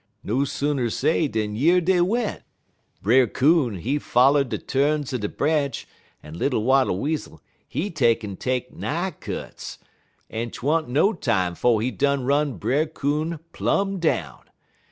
No sooner say dan yer dey went! Brer Coon, he foller de tu'ns er de branch, en little Wattle Weasel he take'n take nigh cuts, en 't wa'n't no time 'fo' he done run Brer Coon plum down.